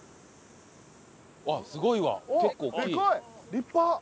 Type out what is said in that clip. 立派！